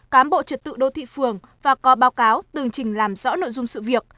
cám bộ trật tự đô thị phường và có báo cáo từng trình làm rõ nội dung sự việc